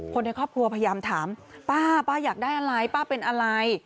คนในครอบครัวพยายามถามป้าป้าอยากได้อะไรป้าเป็นอะไร